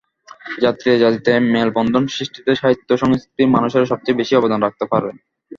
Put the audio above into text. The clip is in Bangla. জাতিতে জাতিতে মেলবন্ধন সৃষ্টিতে সাহিত্য-সংস্কৃতির মানুষেরাই সবচেয়ে বেশি অবদান রাখতে পারেন।